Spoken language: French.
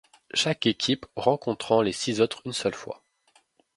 Chaque équipes rencontrant les six autres une seule fois.